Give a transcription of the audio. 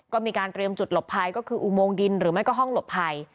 ก็มีการเตรียมจุดหลบภัยก็คืออุโมงดินหรือไม่ก็ห้องหลบภัย